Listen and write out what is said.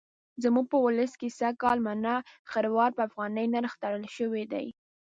زموږ په ولس کې سږکال مڼه خروار په افغانۍ نرخ تړل شوی دی.